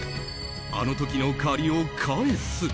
あの時の借りを返す。